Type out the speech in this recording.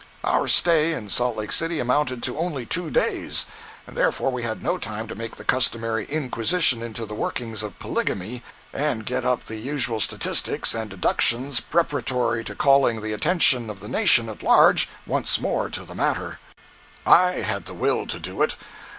Our stay in Salt Lake City amounted to only two days, and therefore we had no time to make the customary inquisition into the workings of polygamy and get up the usual statistics and deductions preparatory to calling the attention of the nation at large once more to the matter. 117.jpg (104K) I had the will to do it.